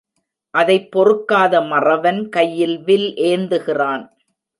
அதைப் பொறுக்காத மறவன் கையில் வில் ஏந்துகிறான்.